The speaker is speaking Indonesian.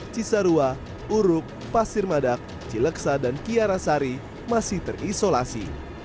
cisarua uruk pasir madak cileksa dan kiara sari masih terisolasi